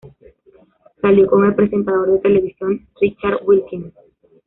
Salió con el presentador de televisión Richard Wilkins.